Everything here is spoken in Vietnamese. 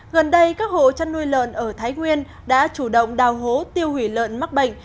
gần đây các hộ chăn nuôi lợn ở thái nguyên đã chủ động đào hố tiêu hủy lợn mắc bệnh